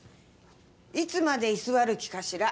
いつまで居座る気かしら？